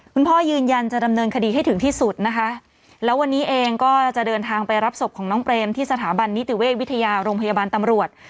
ยืนยันจะดำเนินคดีให้ถึงที่สุดนะคะแล้ววันนี้เองก็จะเดินทางไปรับศพของน้องเปรมที่สถาบันนิติเวชวิทยาโรงพยาบาลตำรวจ